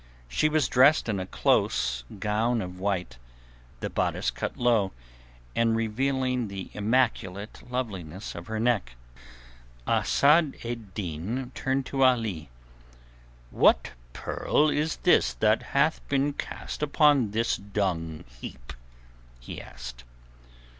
She was dressed in a close gown of white, the bodice cut low and revealing the immaculate loveliness of her neck. Asad ed Din turned to Ali. "What pearl is this that hath been cast upon this dung heap?" he asked.